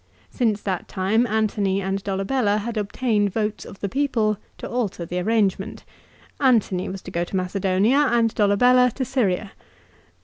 Since that time Antony and Dolabella had obtained votes of the people to alter the arrangement. Antony was to go to Macedonia, and Dolabella to Syria.